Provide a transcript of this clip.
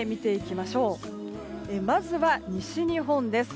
まずは西日本です。